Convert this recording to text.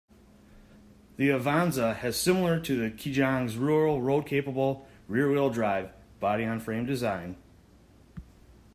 The Avanza has similar to the Kijang's rural road-capable, rear-wheel drive, body-on-frame design.